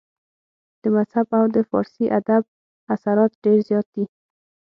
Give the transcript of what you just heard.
د مذهب او د فارسي ادب اثرات ډېر زيات دي